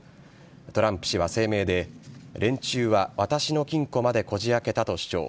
トランプ氏は声明で、連中は私の金庫までこじあけたと主張。